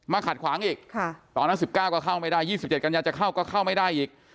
ขัดขวางอีกตอนนั้น๑๙ก็เข้าไม่ได้๒๗กันยาจะเข้าก็เข้าไม่ได้อีก